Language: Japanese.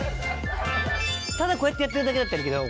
ただこうやってやってるだけだったらいいけど。